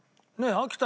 秋田